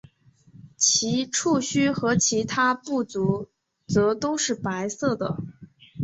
其触须和其他步足则都是白色的。